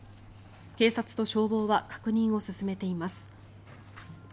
警察と消防は確認を進めています。